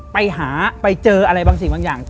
ไปหาไปเจอบางสิ่งบางอย่าง